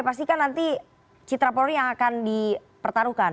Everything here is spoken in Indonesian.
pastikan nanti citra polri yang akan di pertaruhkan